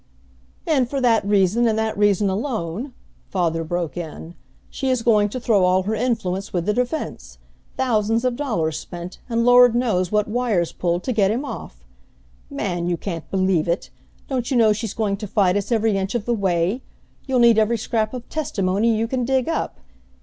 "And for that reason, and that reason alone," father broke in, "she is going to throw all her influence with the defense thousands of dollars spent, and Lord knows what wires pulled, to get him off. Man, you can't believe it! Don't you know she's going to fight us every inch of the way? You'll need every scrap of testimony you can dig up!